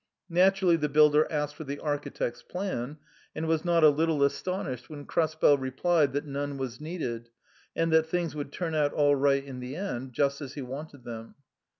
Naturally the builder asked for the architect's plan, and was not a little astonished when Krespel re plied that none was needed, and that things would turn out all right in the end, just as he wanted them.